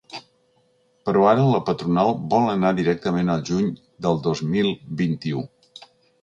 Però ara la patronal vol anar directament al juny del dos mil vint-i-u.